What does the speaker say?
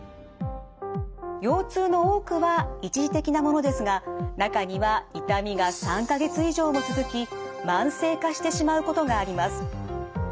腰痛の多くは一時的なものですが中には痛みが３か月以上も続き慢性化してしまうことがあります。